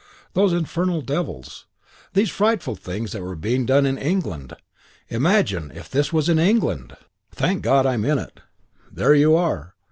Those infernal devils.... If these frightful things were being done in England! Imagine if this was in England! Thank God I'm in it. There you are!